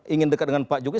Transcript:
ingin dekat dengan pak jokowi